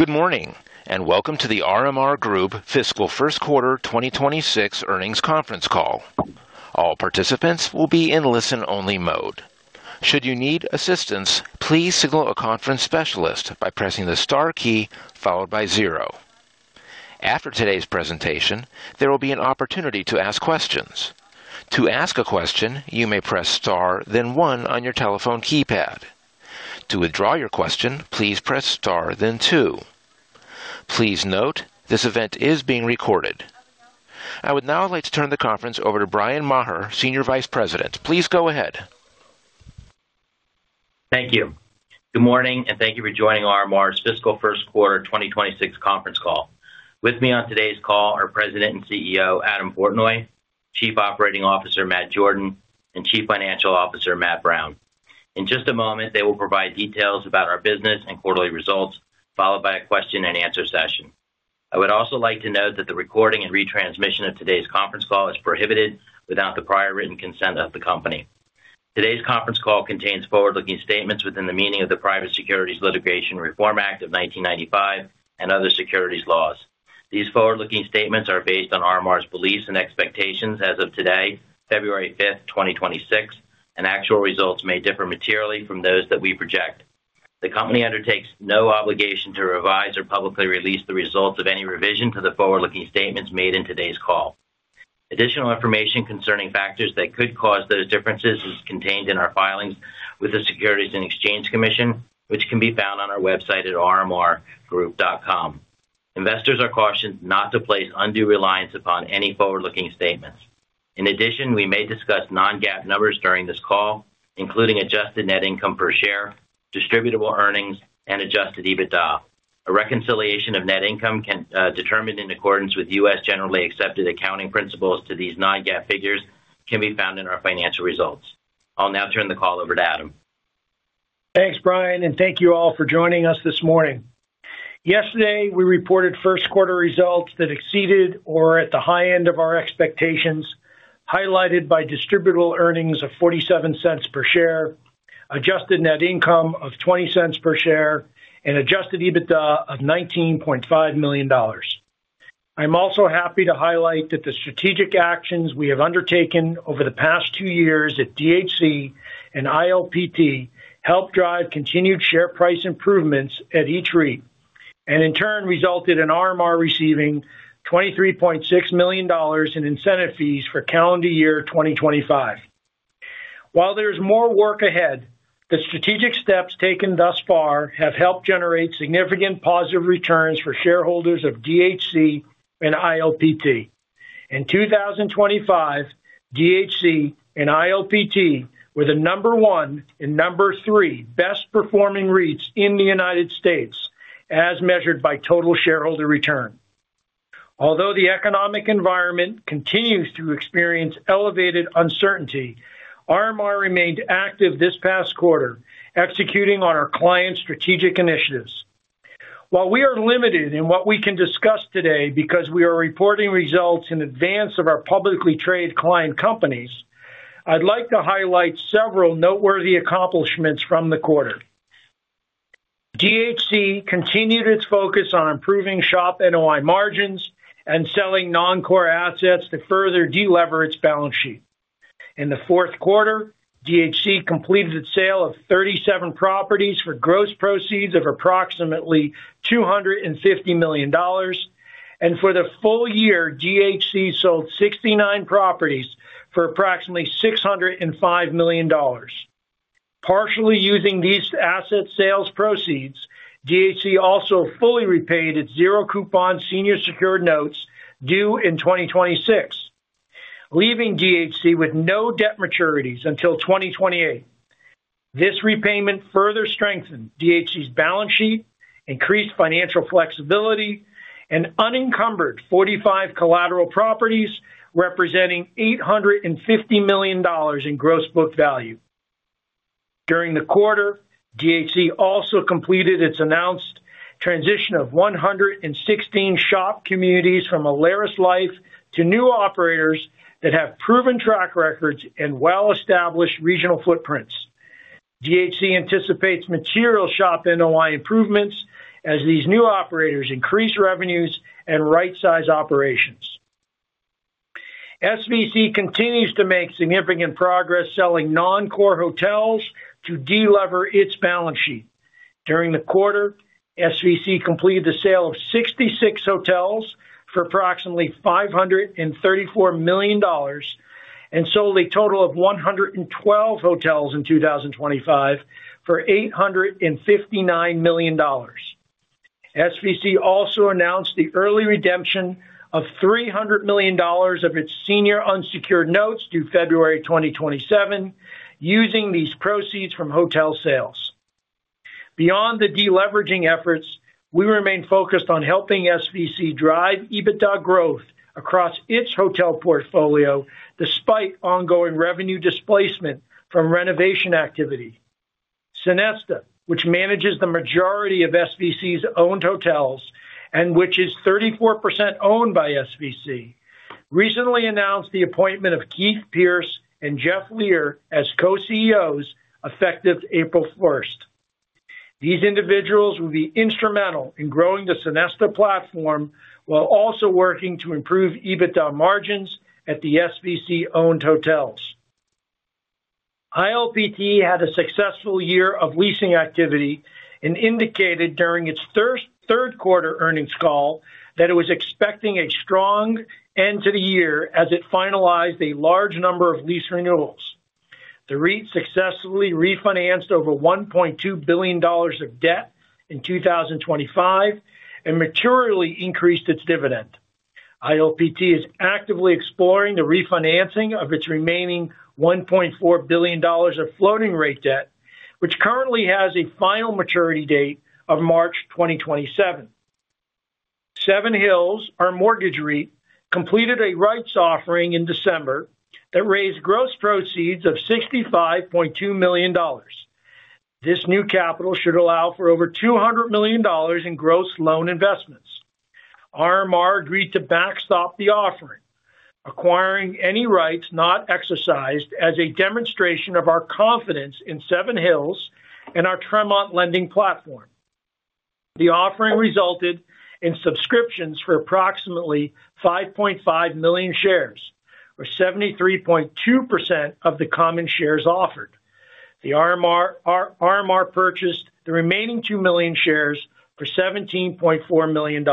Good morning, and welcome to The RMR Group fiscal first quarter 2026 earnings conference call. All participants will be in listen-only mode. Should you need assistance, please signal a conference specialist by pressing the star key followed by zero. After today's presentation, there will be an opportunity to ask questions. To ask a question, you may press star, then one on your telephone keypad. To withdraw your question, please press star, then two. Please note, this event is being recorded. I would now like to turn the conference over to Bryan Maher, Senior Vice President. Please go ahead. Thank you. Good morning, and thank you for joining RMR's fiscal first quarter 2026 conference call. With me on today's call are President and CEO, Adam Portnoy, Chief Operating Officer, Matt Jordan, and Chief Financial Officer, Matt Brown. In just a moment, they will provide details about our business and quarterly results, followed by a question-and-answer session. I would also like to note that the recording and retransmission of today's conference call is prohibited without the prior written consent of the company. Today's conference call contains forward-looking statements within the meaning of the Private Securities Litigation Reform Act of 1995 and other securities laws. These forward-looking statements are based on RMR's beliefs and expectations as of today, February 5, 2026, and actual results may differ materially from those that we project. The company undertakes no obligation to revise or publicly release the results of any revision to the forward-looking statements made in today's call. Additional information concerning factors that could cause those differences is contained in our filings with the Securities and Exchange Commission, which can be found on our website at rmrgroup.com. Investors are cautioned not to place undue reliance upon any forward-looking statements. In addition, we may discuss non-GAAP numbers during this call, including adjusted net income per share, distributable earnings, and adjusted EBITDA. A reconciliation of net income can, determined in accordance with U.S. generally accepted accounting principles to these non-GAAP figures can be found in our financial results. I'll now turn the call over to Adam. Thanks, Bryan, and thank you all for joining us this morning. Yesterday, we reported first quarter results that exceeded or at the high end of our expectations, highlighted by Distributable Earnings of $0.47 per share, Adjusted Net Income of $0.20 per share, and Adjusted EBITDA of $19.5 million. I'm also happy to highlight that the strategic actions we have undertaken over the past two years at DHC and ILPT helped drive continued share price improvements at each REIT, and in turn, resulted in RMR receiving $23.6 million in incentive fees for calendar year 2025. While there's more work ahead, the strategic steps taken thus far have helped generate significant positive returns for shareholders of DHC and ILPT. In 2025, DHC and ILPT were the number 1 and number 3 best-performing REITs in the United States, as measured by total shareholder return. Although the economic environment continues to experience elevated uncertainty, RMR remained active this past quarter, executing on our client's strategic initiatives. While we are limited in what we can discuss today because we are reporting results in advance of our publicly traded client companies, I'd like to highlight several noteworthy accomplishments from the quarter. DHC continued its focus on improving SHOP NOI margins and selling non-core assets to further deleverage balance sheet. In the fourth quarter, DHC completed its sale of 37 properties for gross proceeds of approximately $250 million, and for the full year, DHC sold 69 properties for approximately $605 million. Partially using these asset sales proceeds, DHC also fully repaid its zero-coupon senior secured notes due in 2026, leaving DHC with no debt maturities until 2028. This repayment further strengthened DHC's balance sheet, increased financial flexibility, and unencumbered 45 collateral properties, representing $850 million in gross book value. During the quarter, DHC also completed its announced transition of 116 SHOP communities from AlerisLife to new operators that have proven track records and well-established regional footprints. DHC anticipates material SHOP NOI improvements as these new operators increase revenues and right-size operations. SVC continues to make significant progress selling non-core hotels to delever its balance sheet. During the quarter, SVC completed the sale of 66 hotels for approximately $534 million and sold a total of 112 hotels in 2025 for $859 million. SVC also announced the early redemption of $300 million of its senior unsecured notes due February 2027, using these proceeds from hotel sales. Beyond the deleveraging efforts, we remain focused on helping SVC drive EBITDA growth across its hotel portfolio, despite ongoing revenue displacement from renovation activity. Sonesta, which manages the majority of SVC's owned hotels and which is 34% owned by SVC... recently announced the appointment of Keith Pierce and Jeff Leer as co-CEOs, effective April first. These individuals will be instrumental in growing the Sonesta platform, while also working to improve EBITDA margins at the SVC-owned hotels. ILPT had a successful year of leasing activity and indicated during its third quarter earnings call that it was expecting a strong end to the year as it finalized a large number of lease renewals. The REIT successfully refinanced over $1.2 billion of debt in 2025 and materially increased its dividend. ILPT is actively exploring the refinancing of its remaining $1.4 billion of floating rate debt, which currently has a final maturity date of March 2027. Seven Hills, our mortgage REIT, completed a rights offering in December that raised gross proceeds of $65.2 million. This new capital should allow for over $200 million in gross loan investments. RMR agreed to backstop the offering, acquiring any rights not exercised as a demonstration of our confidence in Seven Hills and our Tremont lending platform. The offering resulted in subscriptions for approximately 5.5 million shares, or 73.2% of the common shares offered. The RMR purchased the remaining 2 million shares for $17.4 million.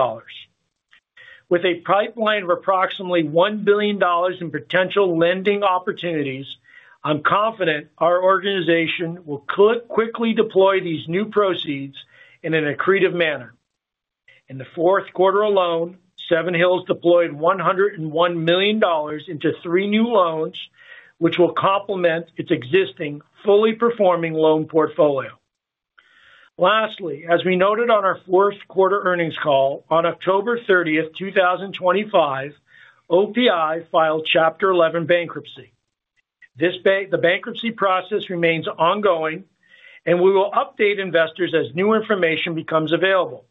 With a pipeline of approximately $1 billion in potential lending opportunities, I'm confident our organization will quickly deploy these new proceeds in an accretive manner. In the fourth quarter alone, Seven Hills deployed $101 million into three new loans, which will complement its existing fully performing loan portfolio. Lastly, as we noted on our fourth quarter earnings call, on October 30, 2025, OPI filed Chapter 11 bankruptcy. The bankruptcy process remains ongoing, and we will update investors as new information becomes available.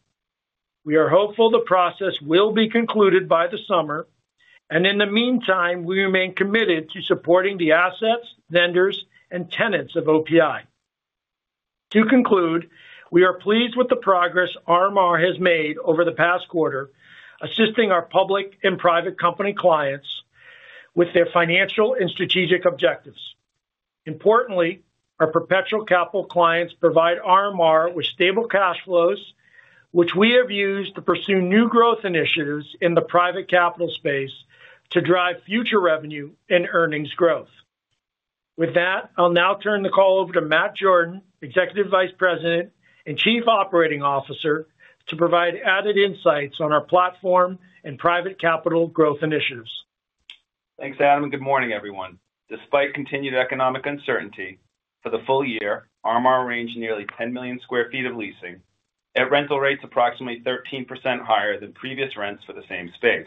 We are hopeful the process will be concluded by the summer, and in the meantime, we remain committed to supporting the assets, vendors, and tenants of OPI. To conclude, we are pleased with the progress RMR has made over the past quarter, assisting our public and private company clients with their financial and strategic objectives. Importantly, our perpetual capital clients provide RMR with stable cash flows, which we have used to pursue new growth initiatives in the private capital space to drive future revenue and earnings growth. With that, I'll now turn the call over to Matt Jordan, Executive Vice President and Chief Operating Officer, to provide added insights on our platform and private capital growth initiatives. Thanks, Adam, good morning, everyone. Despite continued economic uncertainty, for the full year, RMR arranged nearly 10 million sq ft of leasing at rental rates approximately 13% higher than previous rents for the same space.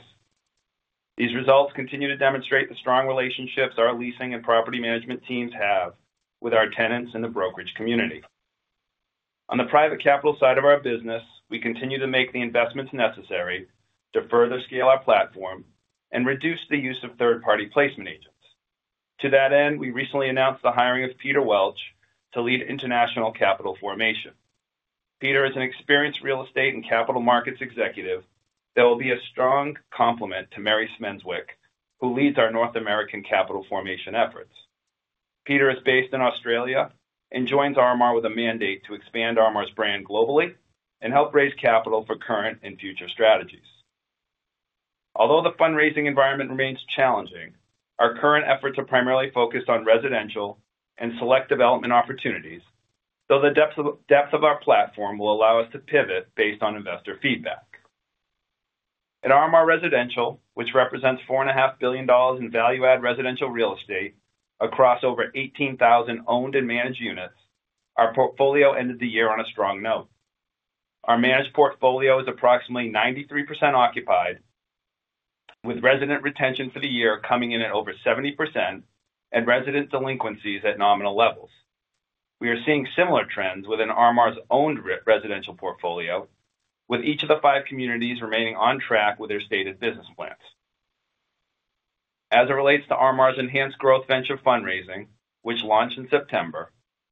These results continue to demonstrate the strong relationships our leasing and property management teams have with our tenants in the brokerage community. On the private capital side of our business, we continue to make the investments necessary to further scale our platform and reduce the use of third-party placement agents. To that end, we recently announced the hiring of Peter Welch to lead international capital formation. Peter is an experienced real estate and capital markets executive that will be a strong complement to Mary Smendzuik, who leads our North American capital formation efforts. Peter is based in Australia and joins RMR with a mandate to expand RMR's brand globally and help raise capital for current and future strategies. Although the fundraising environment remains challenging, our current efforts are primarily focused on residential and select development opportunities, though the depth of our platform will allow us to pivot based on investor feedback. At RMR Residential, which represents $4.5 billion in value-add residential real estate across over 18,000 owned and managed units, our portfolio ended the year on a strong note. Our managed portfolio is approximately 93% occupied, with resident retention for the year coming in at over 70% and resident delinquencies at nominal levels. We are seeing similar trends within RMR's owned residential portfolio, with each of the five communities remaining on track with their stated business plans. As it relates to RMR's enhanced growth venture fundraising, which launched in September,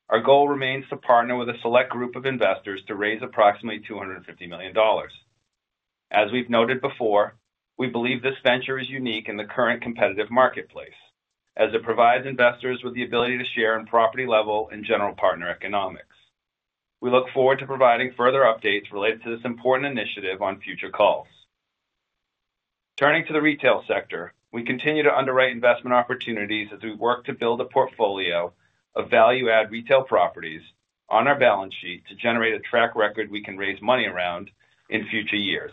our goal remains to partner with a select group of investors to raise approximately $250 million. As we've noted before, we believe this venture is unique in the current competitive marketplace, as it provides investors with the ability to share in property level and general partner economics. We look forward to providing further updates related to this important initiative on future calls. Turning to the retail sector, we continue to underwrite investment opportunities as we work to build a portfolio of value-add retail properties on our balance sheet to generate a track record we can raise money around in future years.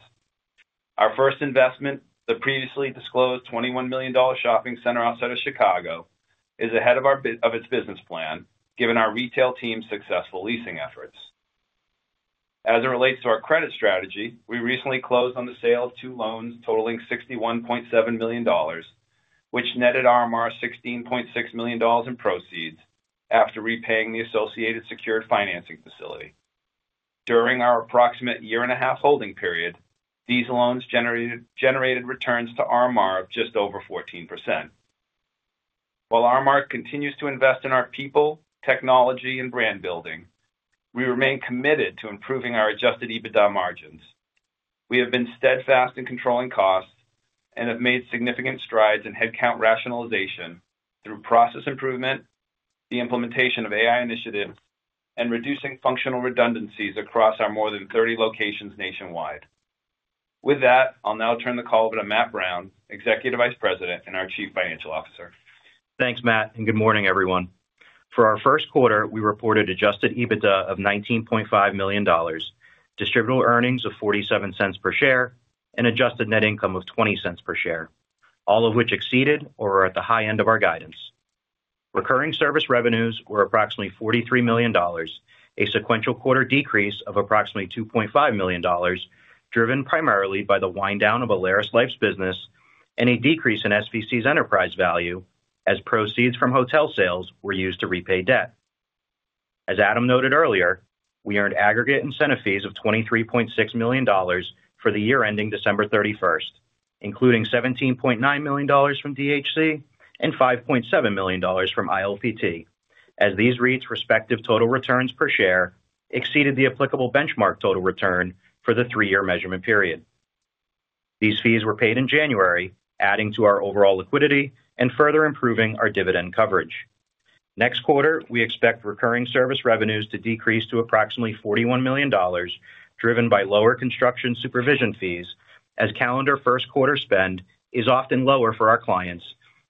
Our first investment, the previously disclosed $21 million shopping center outside of Chicago, is ahead of its business plan, given our retail team's successful leasing efforts. As it relates to our credit strategy, we recently closed on the sale of two loans totaling $61.7 million, which netted RMR $16.6 million in proceeds after repaying the associated secured financing facility. During our approximate year and a half holding period, these loans generated returns to RMR of just over 14%. While RMR continues to invest in our people, technology, and brand building, we remain committed to improving our adjusted EBITDA margins. We have been steadfast in controlling costs and have made significant strides in headcount rationalization through process improvement, the implementation of AI initiatives, and reducing functional redundancies across our more than 30 locations nationwide. With that, I'll now turn the call over to Matt Brown, Executive Vice President and our Chief Financial Officer. Thanks, Matt, and good morning, everyone. For our first quarter, we reported Adjusted EBITDA of $19.5 million, distributable earnings of $0.47 per share, and Adjusted Net Income of $0.20 per share, all of which exceeded or are at the high end of our guidance. Recurring service revenues were approximately $43 million, a sequential quarter decrease of approximately $2.5 million, driven primarily by the wind down of AlerisLife's business and a decrease in SVC's enterprise value as proceeds from hotel sales were used to repay debt. As Adam noted earlier, we earned aggregate incentive fees of $23.6 million for the year ending December 31st, including $17.9 million from DHC and $5.7 million from ILPT, as these REITs' respective total returns per share exceeded the applicable benchmark total return for the three-year measurement period. These fees were paid in January, adding to our overall liquidity and further improving our dividend coverage. Next quarter, we expect recurring service revenues to decrease to approximately $41 million, driven by lower construction supervision fees, as calendar first quarter spend is often lower for our clients,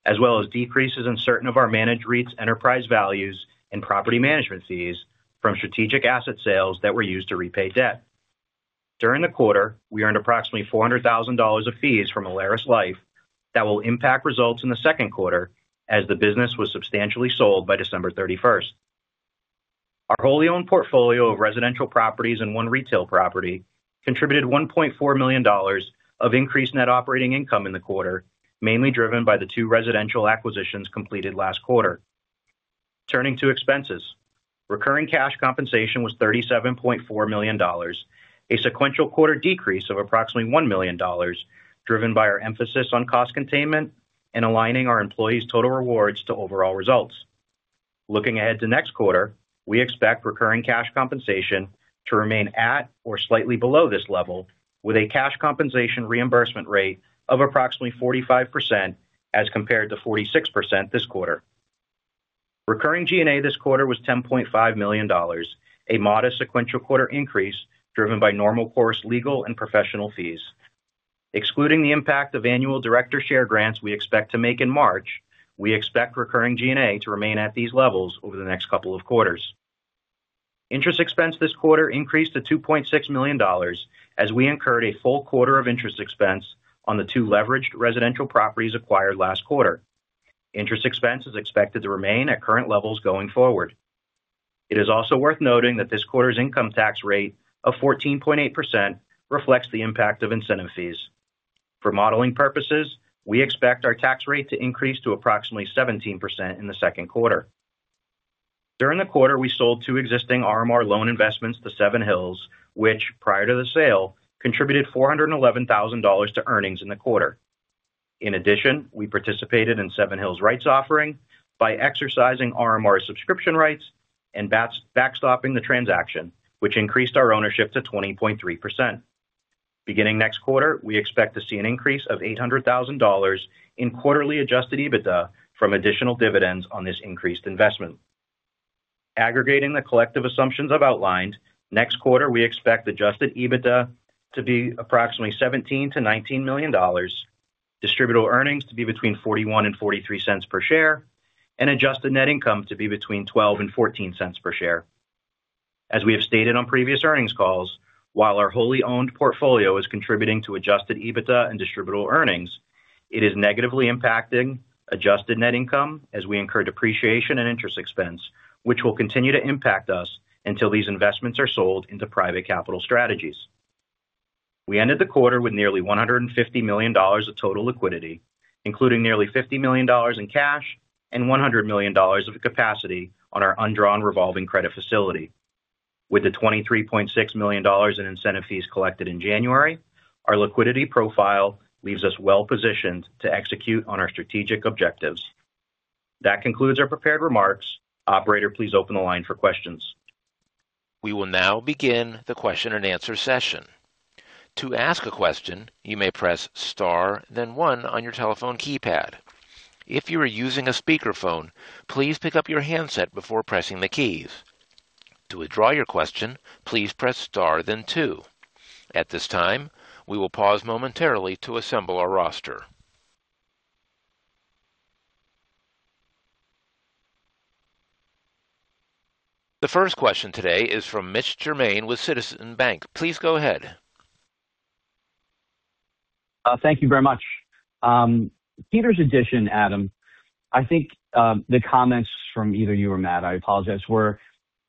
as well as decreases in certain of our managed REITs' enterprise values and property management fees from strategic asset sales that were used to repay debt. During the quarter, we earned approximately $400,000 of fees from AlerisLife that will impact results in the second quarter as the business was substantially sold by December 31st. Our wholly owned portfolio of residential properties and one retail property contributed $1.4 million of increased net operating income in the quarter, mainly driven by the two residential acquisitions completed last quarter. Turning to expenses. Recurring cash compensation was $37.4 million, a sequential quarter decrease of approximately $1 million, driven by our emphasis on cost containment and aligning our employees' total rewards to overall results. Looking ahead to next quarter, we expect recurring cash compensation to remain at or slightly below this level, with a cash compensation reimbursement rate of approximately 45% as compared to 46% this quarter. Recurring G&A this quarter was $10.5 million, a modest sequential quarter increase driven by normal course legal and professional fees. Excluding the impact of annual director share grants we expect to make in March, we expect recurring G&A to remain at these levels over the next couple of quarters. Interest expense this quarter increased to $2.6 million, as we incurred a full quarter of interest expense on the two leveraged residential properties acquired last quarter. Interest expense is expected to remain at current levels going forward. It is also worth noting that this quarter's income tax rate of 14.8% reflects the impact of incentive fees. For modeling purposes, we expect our tax rate to increase to approximately 17% in the second quarter. During the quarter, we sold two existing RMR loan investments to Seven Hills, which, prior to the sale, contributed $411,000 to earnings in the quarter. In addition, we participated in Seven Hills rights offering by exercising RMR subscription rights and backstopping the transaction, which increased our ownership to 20.3%. Beginning next quarter, we expect to see an increase of $800,000 in quarterly Adjusted EBITDA from additional dividends on this increased investment. Aggregating the collective assumptions I've outlined, next quarter, we expect Adjusted EBITDA to be approximately $17 million-$19 million, Distributable Earnings to be between 41 and 43 cents per share, and Adjusted Net Income to be between 12 and 14 cents per share. As we have stated on previous earnings calls, while our wholly owned portfolio is contributing to adjusted EBITDA and distributable earnings, it is negatively impacting adjusted net income as we incur depreciation and interest expense, which will continue to impact us until these investments are sold into private capital strategies. We ended the quarter with nearly $150 million of total liquidity, including nearly $50 million in cash and $100 million of capacity on our undrawn revolving credit facility. With the $23.6 million in incentive fees collected in January, our liquidity profile leaves us well positioned to execute on our strategic objectives. That concludes our prepared remarks. Operator, please open the line for questions. We will now begin the question and answer session. To ask a question, you may press star, then one on your telephone keypad. If you are using a speakerphone, please pick up your handset before pressing the keys. To withdraw your question, please press star, then two. At this time, we will pause momentarily to assemble our roster. The first question today is from Mitch Germain with Citizens Bank. Please go ahead. Thank you very much. Peter's addition, Adam, I think, the comments from either you or Matt, I apologize,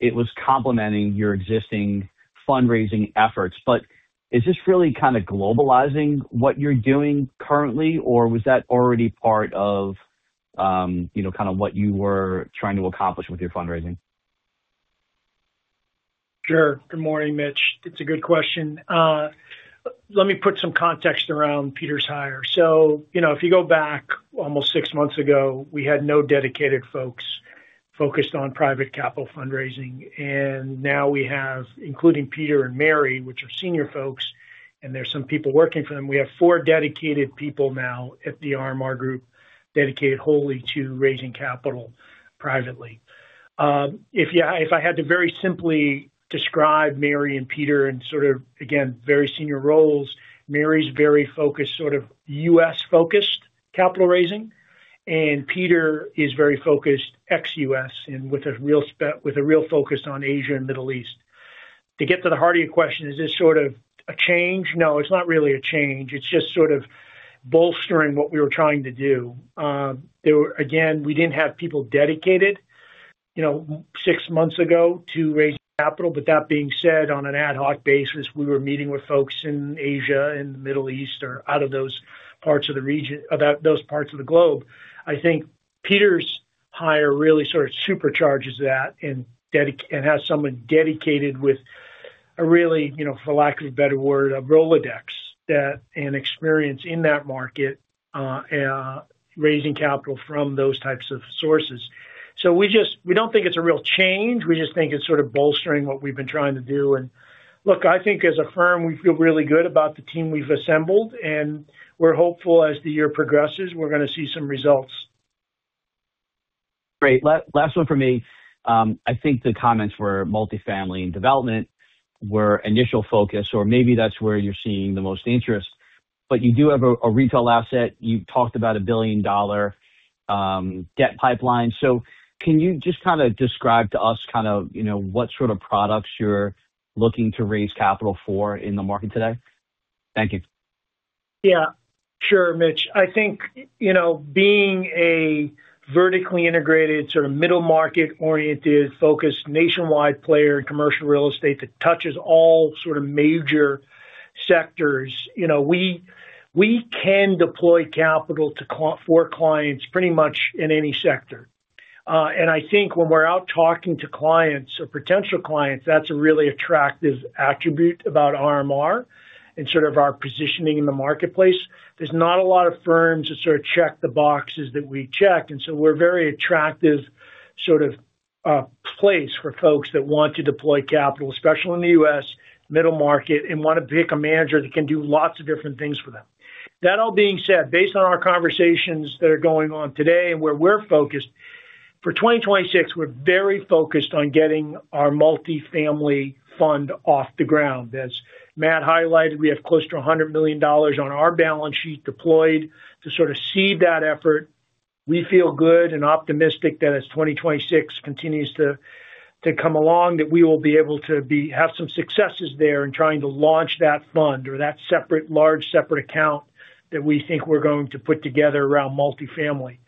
was complimenting your existing fundraising efforts. But is this really kind of globalizing what you're doing currently, or was that already part of... you know, kind of what you were trying to accomplish with your fundraising? Sure. Good morning, Mitch. It's a good question. Let me put some context around Peter's hire. So, you know, if you go back almost six months ago, we had no dedicated folks focused on private capital fundraising, and now we have, including Peter and Mary, which are senior folks, and there's some people working for them. We have four dedicated people now at the RMR Group, dedicated wholly to raising capital privately. If yeah, if I had to very simply describe Mary and Peter in sort of, again, very senior roles, Mary's very focused, sort of U.S.-focused capital raising, and Peter is very focused ex-U.S. and with a real focus on Asia and Middle East. To get to the heart of your question, is this sort of a change? No, it's not really a change. It's just sort of bolstering what we were trying to do. Again, we didn't have people dedicated, you know, six months ago, to raising capital. But that being said, on an ad hoc basis, we were meeting with folks in Asia and the Middle East or out of those parts of the region about those parts of the globe. I think Peter's hire really sort of supercharges that and has someone dedicated with a really, you know, for lack of a better word, a Rolodex, that and experience in that market, raising capital from those types of sources. So we just we don't think it's a real change. We just think it's sort of bolstering what we've been trying to do. Look, I think as a firm, we feel really good about the team we've assembled, and we're hopeful, as the year progresses, we're going to see some results. Great. Last one for me. I think the comments were multifamily and development were initial focus, or maybe that's where you're seeing the most interest, but you do have a retail asset. You've talked about a billion-dollar debt pipeline. So can you just kind of describe to us kind of, you know, what sort of products you're looking to raise capital for in the market today? Thank you. Yeah, sure, Mitch. I think, you know, being a vertically integrated, sort of middle market-oriented, focused nationwide player in commercial real estate that touches all sort of major sectors, you know, we can deploy capital to clients pretty much in any sector. And I think when we're out talking to clients or potential clients, that's a really attractive attribute about RMR and sort of our positioning in the marketplace. There's not a lot of firms that sort of check the boxes that we check, and so we're very attractive, sort of, place for folks that want to deploy capital, especially in the U.S. middle market, and want to pick a manager that can do lots of different things for them. That all being said, based on our conversations that are going on today and where we're focused, for 2026, we're very focused on getting our multifamily fund off the ground. As Matt highlighted, we have close to $100 million on our balance sheet deployed to sort of seed that effort. We feel good and optimistic that as 2026 continues to come along, that we will be able to have some successes there in trying to launch that fund or that separate, large separate account that we think we're going to put together around multifamily.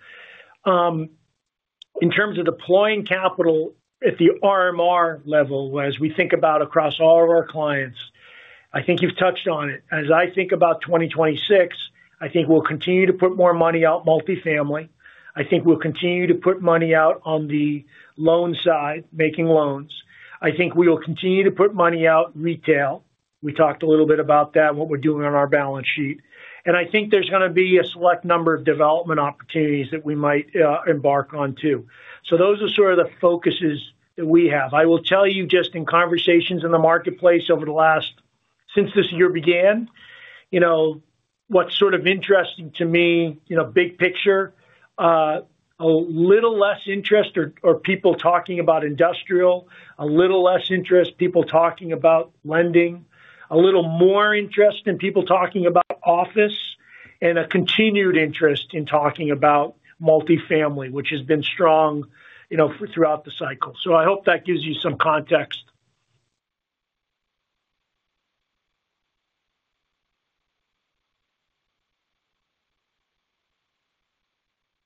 In terms of deploying capital at the RMR level, as we think about across all of our clients, I think you've touched on it. As I think about 2026, I think we'll continue to put more money out multifamily. I think we'll continue to put money out on the loan side, making loans. I think we will continue to put money out retail. We talked a little bit about that, what we're doing on our balance sheet. I think there's going to be a select number of development opportunities that we might embark on, too. So those are sort of the focuses that we have. I will tell you, just in conversations in the marketplace over the last, since this year began, you know, what's sort of interesting to me, you know, big picture, a little less interest or people talking about industrial, a little less interest, people talking about lending, a little more interest in people talking about office, and a continued interest in talking about multifamily, which has been strong, you know, throughout the cycle. So I hope that gives you some context.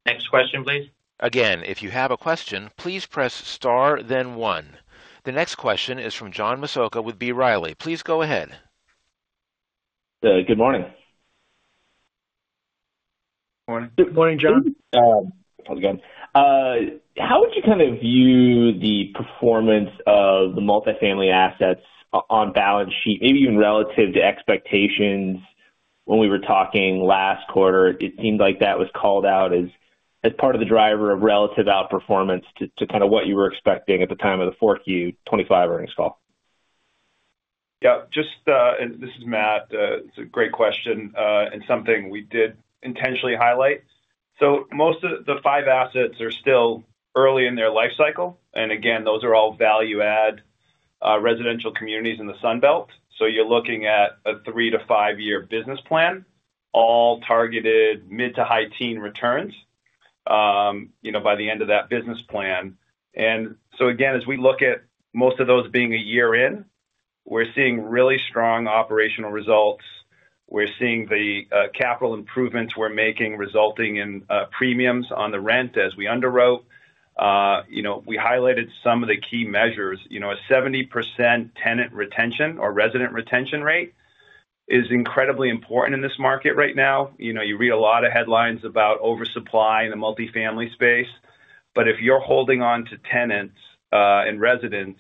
Next question, please. Again, if you have a question, please press star, then one. The next question is from John Massocca with B. Riley. Please go ahead. Good morning. Morning. Good morning, John. How are you again? How would you kind of view the performance of the multifamily assets on balance sheet, maybe even relative to expectations? When we were talking last quarter, it seemed like that was called out as part of the driver of relative outperformance to kind of what you were expecting at the time of the fourth Q 2025 earnings call. Yeah, just... This is Matt. It's a great question, and something we did intentionally highlight. So most of the 5 assets are still early in their life cycle, and again, those are all value add residential communities in the Sun Belt. So you're looking at a three to five year business plan, all targeted mid- to high-teen returns, you know, by the end of that business plan. And so again, as we look at most of those being a year in, we're seeing really strong operational results. We're seeing the capital improvements we're making, resulting in premiums on the rent as we underwrote. You know, we highlighted some of the key measures, you know, a 70% tenant retention or resident retention rate... is incredibly important in this market right now. You know, you read a lot of headlines about oversupply in the multifamily space, but if you're holding on to tenants, and residents,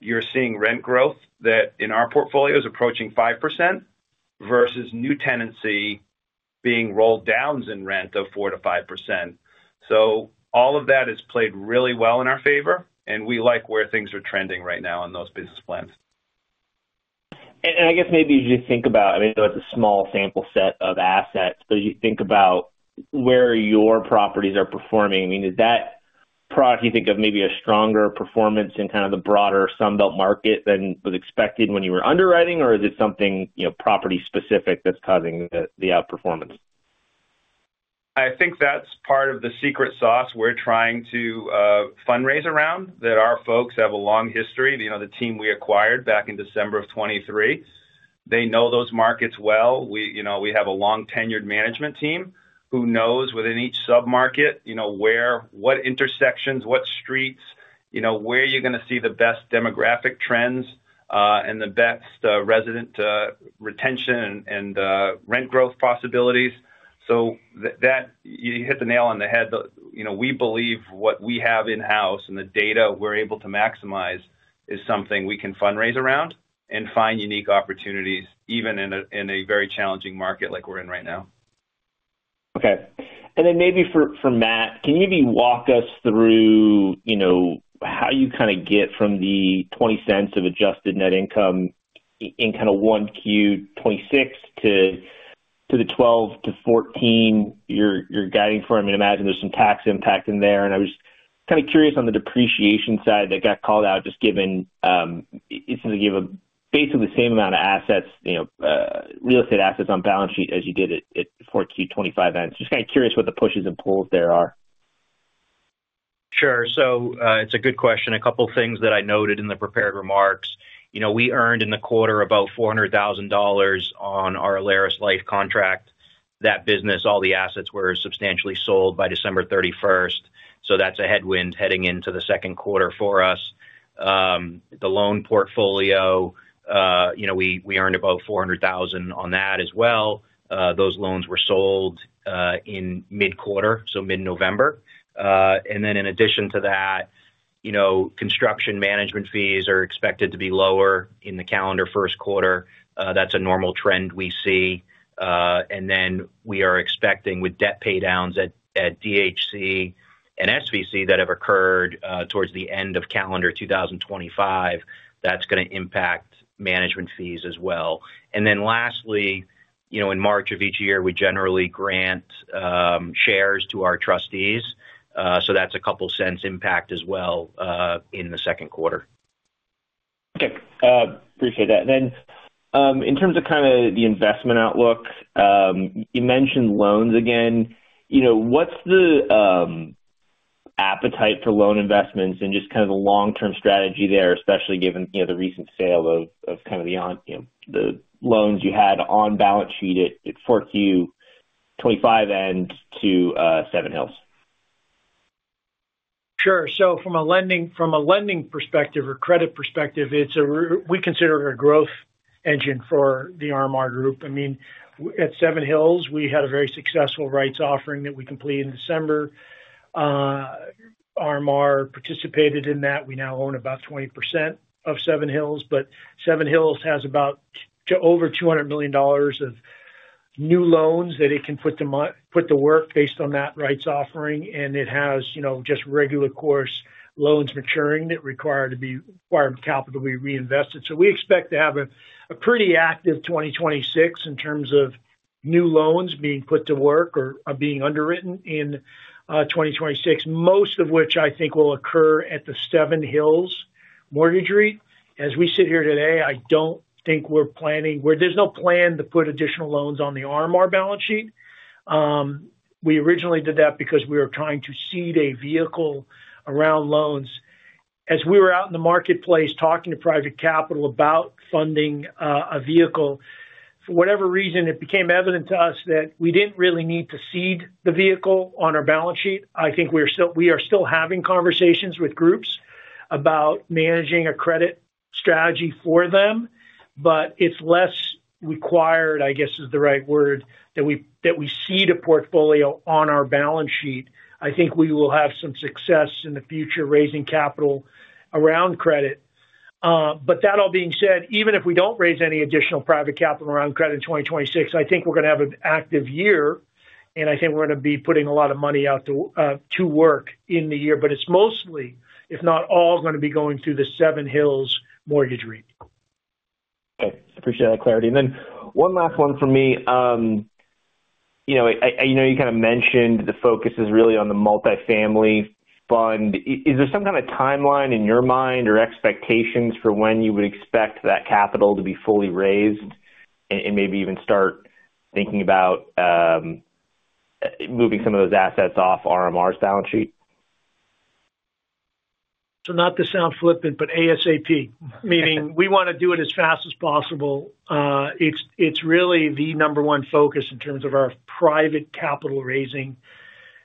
you're seeing rent growth that, in our portfolio, is approaching 5%, versus new tenancy being rolled downs in rent of 4%-5%. So all of that has played really well in our favor, and we like where things are trending right now in those business plans. I guess maybe you just think about, I mean, though it's a small sample set of assets, but you think about where your properties are performing. I mean, is that product, you think of maybe a stronger performance in kind of the broader Sun Belt market than was expected when you were underwriting, or is it something, you know, property specific that's causing the outperformance? I think that's part of the secret sauce we're trying to fundraise around, that our folks have a long history. You know, the team we acquired back in December of 2023, they know those markets well. We, you know, we have a long-tenured management team who knows within each submarket, you know, where what intersections, what streets, you know, where you're gonna see the best demographic trends, and the best resident retention and rent growth possibilities. So that you hit the nail on the head. You know, we believe what we have in-house and the data we're able to maximize is something we can fundraise around and find unique opportunities, even in a very challenging market like we're in right now. Okay. And then maybe for Matt, can you maybe walk us through, you know, how you kind of get from the $0.20 of adjusted net income in kind of 1Q 2026 to the $0.12-$0.14 you're guiding for? I mean, I imagine there's some tax impact in there. And I was kind of curious on the depreciation side that got called out, just given it's gonna give a basically the same amount of assets, you know, real estate assets on balance sheet as you did at 4Q 2025 end. Just kind of curious what the pushes and pulls there are. Sure. So, it's a good question. A couple things that I noted in the prepared remarks. You know, we earned in the quarter about $400,000 on our AlerisLife contract. That business, all the assets were substantially sold by December thirty-first, so that's a headwind heading into the second quarter for us. The loan portfolio, you know, we, we earned about $400,000 on that as well. Those loans were sold, in mid-quarter, so mid-November. And then in addition to that, you know, construction management fees are expected to be lower in the calendar first quarter. That's a normal trend we see. And then we are expecting with debt pay downs at, at DHC and SVC that have occurred, towards the end of calendar 2025, that's gonna impact management fees as well. And then lastly, you know, in March of each year, we generally grant shares to our trustees. So that's a couple cents impact as well, in the second quarter. Okay. Appreciate that. Then, in terms of kinda the investment outlook, you mentioned loans again. You know, what's the appetite for loan investments and just kind of the long-term strategy there, especially given, you know, the recent sale of, of kind of the on, you know, the loans you had on balance sheet at 4Q 2025 and to Seven Hills? Sure. So from a lending perspective or credit perspective, we consider it a growth engine for the RMR Group. I mean, at Seven Hills, we had a very successful rights offering that we completed in December. RMR participated in that. We now own about 20% of Seven Hills, but Seven Hills has about over $200 million of new loans that it can put to work based on that rights offering, and it has, you know, just regular course loans maturing that require capital to be reinvested. So we expect to have a pretty active 2026 in terms of new loans being put to work or are being underwritten in 2026, most of which I think will occur at the Seven Hills mortgage REIT. As we sit here today, I don't think we're planning. Well, there's no plan to put additional loans on the RMR balance sheet. We originally did that because we were trying to seed a vehicle around loans. As we were out in the marketplace talking to private capital about funding a vehicle, for whatever reason, it became evident to us that we didn't really need to seed the vehicle on our balance sheet. I think we are still having conversations with groups about managing a credit strategy for them, but it's less required, I guess, is the right word, that we seed a portfolio on our balance sheet. I think we will have some success in the future raising capital around credit. But that all being said, even if we don't raise any additional private capital around credit in 2026, I think we're gonna have an active year, and I think we're gonna be putting a lot of money out to, to work in the year. But it's mostly, if not all, gonna be going through the Seven Hills mortgage REIT. Okay, appreciate that clarity. And then one last one for me. You know, you kind of mentioned the focus is really on the multifamily fund. Is there some kind of timeline in your mind or expectations for when you would expect that capital to be fully raised and maybe even start thinking about moving some of those assets off RMR's balance sheet? So not to sound flippant, but ASAP. Meaning, we wanna do it as fast as possible. It's really the number one focus in terms of our private capital raising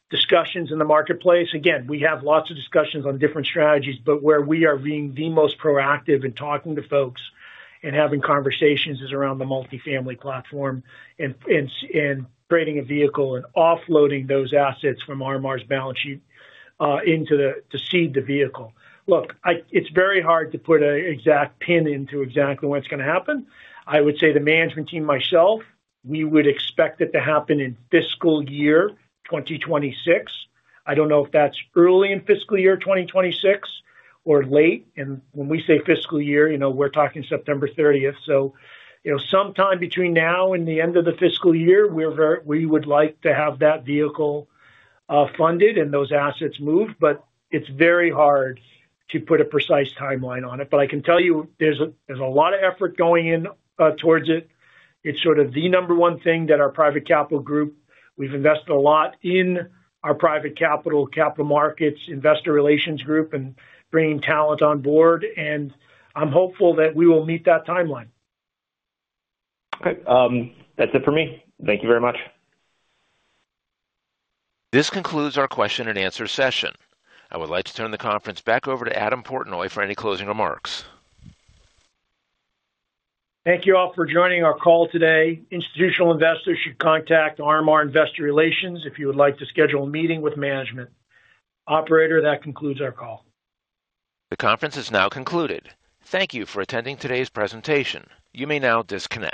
discussions in the marketplace. Again, we have lots of discussions on different strategies, but where we are being the most proactive in talking to folks and having conversations is around the multifamily platform and creating a vehicle and offloading those assets from RMR's balance sheet into the to seed the vehicle. Look, it's very hard to put an exact pin into exactly when it's gonna happen. I would say the management team, myself, we would expect it to happen in fiscal year 2026. I don't know if that's early in fiscal year 2026 or late. And when we say fiscal year, you know, we're talking September thirtieth. So, you know, sometime between now and the end of the fiscal year, we would like to have that vehicle funded and those assets moved, but it's very hard to put a precise timeline on it. But I can tell you, there's a lot of effort going in towards it. It's sort of the number one thing that our private capital group... We've invested a lot in our private capital, capital markets, investor relations group, and bringing talent on board, and I'm hopeful that we will meet that timeline. Okay. That's it for me. Thank you very much. This concludes our question and answer session. I would like to turn the conference back over to Adam Portnoy for any closing remarks. Thank you all for joining our call today. Institutional investors should contact RMR Investor Relations if you would like to schedule a meeting with management. Operator, that concludes our call. The conference is now concluded. Thank you for attending today's presentation. You may now disconnect.